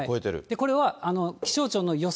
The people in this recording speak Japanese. これは気象庁の予想